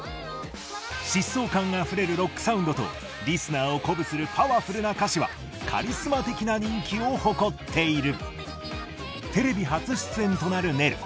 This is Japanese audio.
疾走感あふれるロックサウンドとリスナーを鼓舞するパワフルな歌詞はカリスマ的な人気を誇っている！